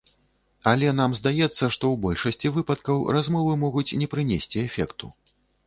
Але нам здаецца, што ў большасці выпадкаў размовы могуць не прынесці эфекту.